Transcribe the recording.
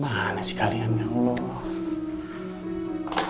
mana sih kalian ya allah